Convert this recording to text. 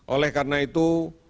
oleh karena itu